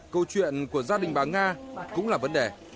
câu chuyện của gia đình bà nga cũng là vấn đề